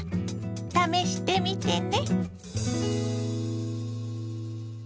試してみてね。